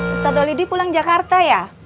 ustadzolidi pulang jakarta ya